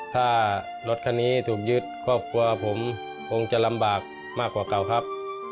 มากกว่าเก่าครับ